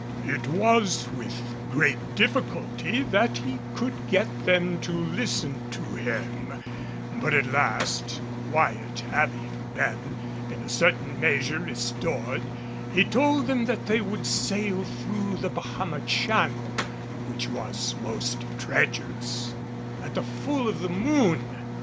It was with great difficulty that he could get them to listen to him; but at last, quiet having been in a certain measure restored, he told them that they would sail through the Bahama Channel which was most treacherous at the full of the moon.